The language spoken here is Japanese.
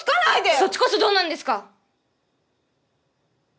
そっちこそどうなんですか？